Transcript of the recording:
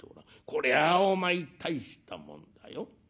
こりゃお前大したもんだよ。